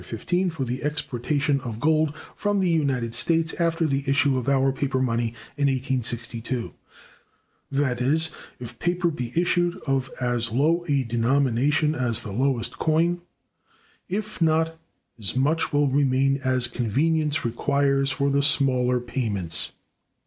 XV, for the exportation of gold from the United States after the issue of our paper money in 1862]: that is, if paper be issued of as low a denomination as the lowest coin; if not, as much will remain as convenience requires for the smaller payments.